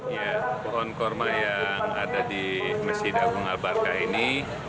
ya pohon kurma yang ada di masjid agung al barkah ini